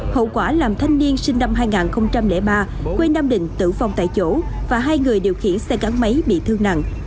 hậu quả làm thanh niên sinh năm hai nghìn ba quê nam định tử vong tại chỗ và hai người điều khiển xe gắn máy bị thương nặng